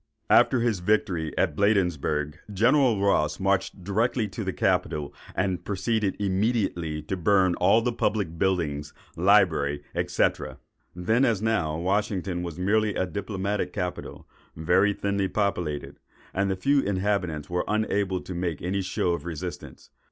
After his victory at Bladensburgh, General Ross marched directly to the capital, and proceeded immediately to burn all the public buildings, library, &c. Then, as now, Washington was merely a diplomatic capital, very thinly populated; and the few inhabitants were unable to make any show of resistance.